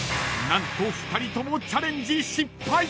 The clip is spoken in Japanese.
［何と２人ともチャレンジ失敗］